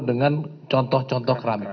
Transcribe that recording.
dengan contoh contoh keramik